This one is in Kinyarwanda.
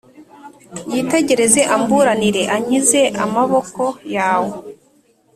yitegereze amburanire, ankize amaboko yawe.